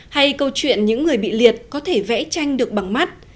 hay câu chuyện những người bị liệt có thể vẽ tranh được bằng mắt